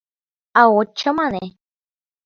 А от чамане?